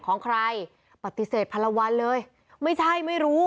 ของใครปฏิเสธพันละวันเลยไม่ใช่ไม่รู้